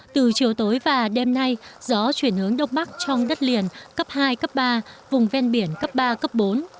từ chiều tối và đêm nay gió chuyển hướng đông bắc trong đất liền cấp hai cấp ba vùng ven biển cấp ba cấp bốn